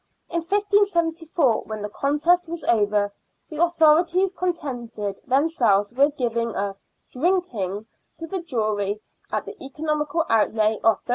In 1574, when the contest was over, the authori ties contented themselves with giving a " drinking " to the jury, at the economical outlay of 13s.